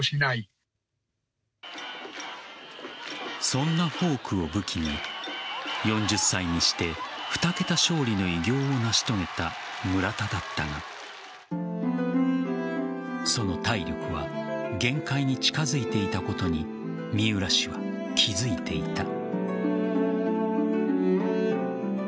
そんなフォークを武器に４０歳にして２桁勝利の偉業を成し遂げた村田だったがその体力は限界に近づいていたことに三浦氏は気づいていた。